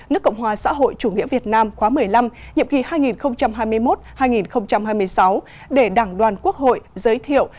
nước cộng hòa xã hội chủ nghĩa việt nam khóa một mươi năm nhiệm kỳ hai nghìn hai mươi một hai nghìn hai mươi sáu để đảng đoàn quốc hội giới thiệu